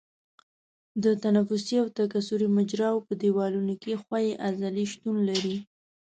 د تنفسي او تکثري مجراوو په دیوالونو کې ښویې عضلې شتون لري.